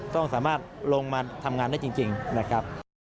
ต้องสามารถลงมาทำงานได้จริงนะครับ